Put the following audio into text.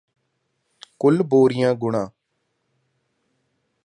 ਕੁੱਲ ਬੋਰੀਆਂ ਗੁਣਾ